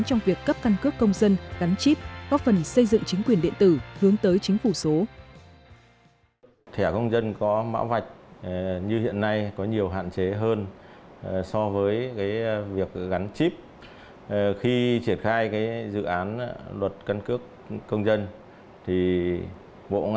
trong việc cấp căn cước công dân gắn chip góp phần xây dựng chính quyền điện tử hướng tới chính phủ số